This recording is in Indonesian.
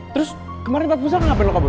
terus kemarin bapak pusah kenapa belom kabur